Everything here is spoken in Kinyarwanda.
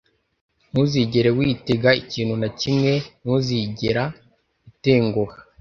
ntuzigere witega ikintu na kimwe. ntuzigera utenguha.